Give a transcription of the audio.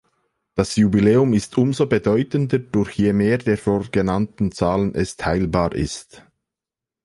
Das Jubiläum ist umso bedeutender, durch je mehr der vorgenannten Zahlen es teilbar ist.